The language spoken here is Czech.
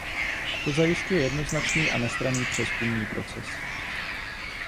To zajišťuje jednoznačný a nestranný přezkumný proces.